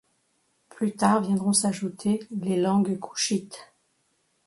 Plus tard viendront s'ajouter les langues coushites.